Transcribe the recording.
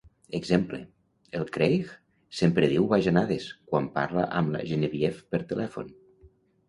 "Exemple: 'El Craig sempre diu bajanades quan parla amb la Genevieve per telèfon'".